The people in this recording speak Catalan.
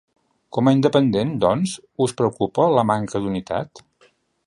Com a independent, doncs, us preocupa la manca d’unitat?